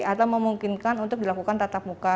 atau memungkinkan untuk dilakukan tatap muka